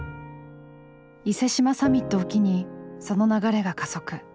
伊勢志摩サミットを機にその流れが加速。